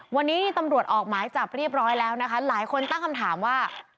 วันนี้ตำรวจออกหมายจับเรียบร้อยแล้วนะคะหลายคนตั้งคำถามว่า